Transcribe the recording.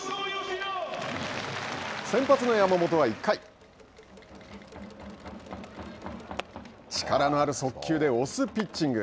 先発の山本は１回力のある速球で押すピッチング。